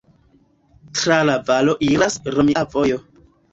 Tra la valo iras romia vojo.